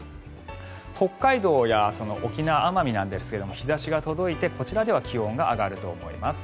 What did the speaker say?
北海道や沖縄、奄美なんですが日差しが届いてこちらでは気温が上がると思います。